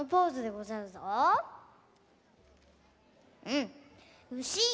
うん。